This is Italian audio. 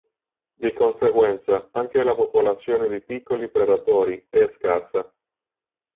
Di conseguenza anche la popolazione di piccoli predatori è scarsa.